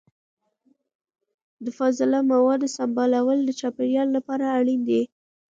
د فاضله موادو سمبالول د چاپیریال لپاره اړین دي.